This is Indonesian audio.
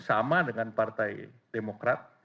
sama dengan partai demokrat